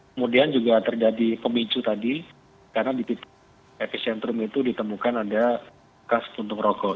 kemudian juga terjadi pemicu tadi karena di titik epicentrum itu ditemukan ada kas puntung rokok